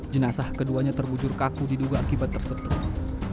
jinasah keduanya tergujur kaku diduga akibat tersetrum